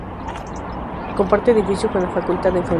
Comparte edificio con la Facultad de Enfermería.